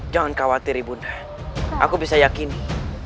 jangan khawatir ibunda aku bisa yakini